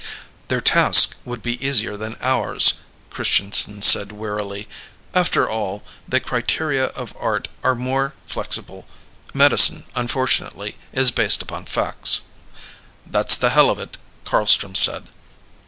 "Their task would be easier than ours," Christianson said wearily. "After all, the criteria of art are more flexible. Medicine, unfortunately, is based upon facts." "That's the hell of it," Carlstrom said.